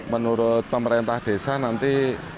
menurut pemerintah desa nanti